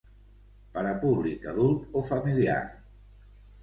Per a públic adult o familiar.